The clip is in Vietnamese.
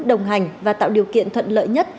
đồng hành và tạo điều kiện thuận lợi nhất